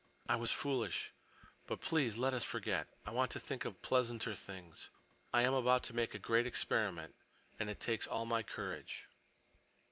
"I was foolish. But please let us forget. I want to think of pleasanter things. I am about to make a great experiment, and it takes all my courage."